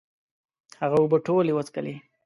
هغه اوبه ټولي وڅکلي